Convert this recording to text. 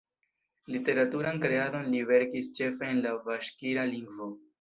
Literaturan kreadon li verkis ĉefe en la baŝkira lingvo.